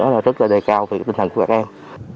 rất là đầy cao về tinh thần của các em